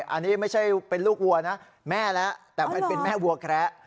อันนี้ไม่ใช่เป็นลูกวัวนะแม่แล้วแต่มันเป็นแม่วัวแคระ